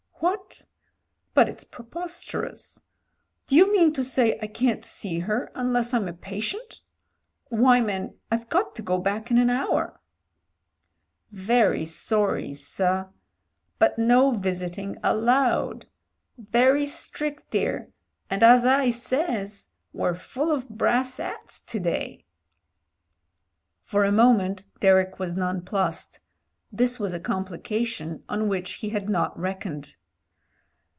"What? But it's preposterous. Do you mean to say I can't see her unless I'm a patient ? Why, man, I've got to go back in an hour." "Very sorry, sir — but no visiting allowed. Very strict 'ere, and as I says we're full of brass 'ats to day." JAMES HENRY 231 For a moment Derek was nonplussed; this was a complication oa which he had not reckoned.